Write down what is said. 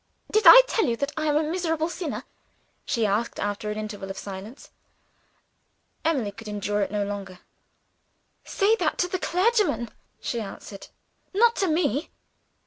"Did I tell you that I am a miserable sinner?" she asked, after an interval of silence. Emily could endure it no longer. "Say that to the clergyman," she answered "not to me."